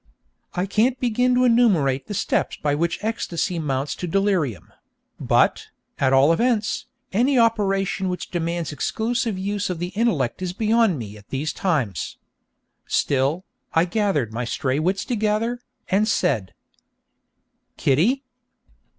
I can't begin to enumerate the steps by which ecstasy mounts to delirium; but, at all events, any operation which demands exclusive use of the intellect is beyond me at these times. Still, I gathered my stray wits together, and said: 'Kitty!'